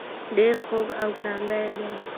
ډیر خوږ او ګران بیه دي.